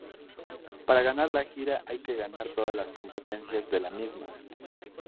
Para ganar la gira hay que ganar todas las competencias de la misma.